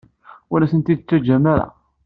Ur asen-t-id-teǧǧam ara.